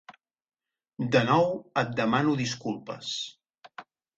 De nou, et demano disculpes.